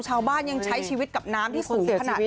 ชาวบ้านยังใช้ชีวิตกับน้ำที่สูงขนาดนี้